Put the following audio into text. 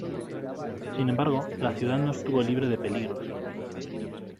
Sin embargo, la ciudad no estuvo libre de peligros.